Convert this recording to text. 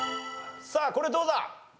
さあこれどうだ？